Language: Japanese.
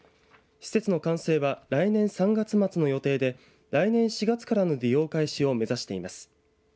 施設の完成は来年３月末の予定で来年４月からの利用開始を目指しています。